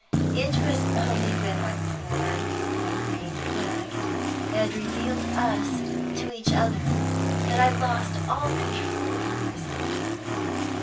It was only when my poor little green flag had revealed us to each other that I lost all control over myself.